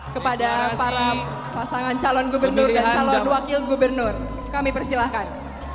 kepada para pasangan calon gubernur dan calon wakil gubernur kami persilahkan